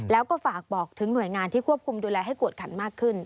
แล้วก็ฝากบอกถึงหน่วยงานที่ควบคุมดูแลให้กวดขันมากขึ้น